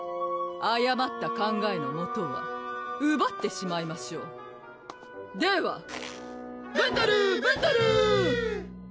あやまった考えのもとはうばってしまいましょうではブンドルブンドルー！